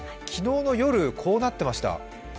昨日の夜、こうなってました。